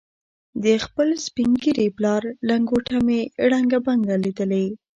د خپل سپین ږیري پلار لنګوټه مې ړنګه بنګه لیدلې.